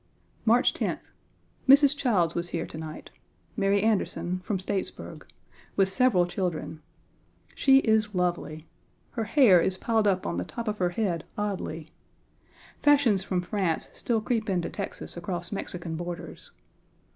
Mrs. Childs was here to night (Mary Anderson, from Statesburg), with several children. She is lovely. Her hair is piled up on the top of her head oddly. Fashions from France still creep into Texas across Mexican borders.